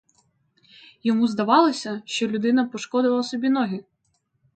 Йому здавалося, що людина пошкодила собі ноги.